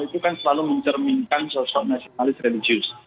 itu kan selalu mencerminkan sosok nasionalis religius